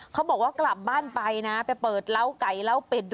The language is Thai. เขาบอกว่ากลับบ้านไปนะไปเปิดเล้าไก่เล้าเป็ดดู